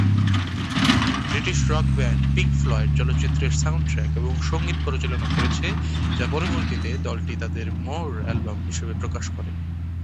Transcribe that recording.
British rock band Pink Floyd চলচ্চিত্রের soundtrack এবং সঙ্গীত পরিচালনা করেছে, যা পরবর্তীতে দলটি তাদের "মোর" অ্যালবাম হিসেবে প্রকাশ করে।